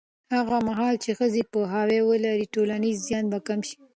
هغه مهال چې ښځې پوهاوی ولري، ټولنیز زیان به کم شي.